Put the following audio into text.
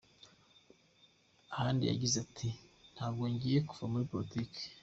Ahandi yagize ati “Ntabwo ngiye kuva muri politiki.